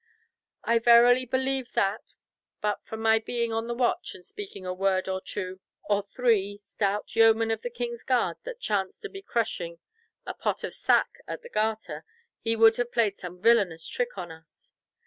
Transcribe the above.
I verily believe that, but for my being on the watch and speaking a word to two or three stout yeomen of the king's guard that chanced to be crushing a pot of sack at the Garter, he would have played some villainous trick on us.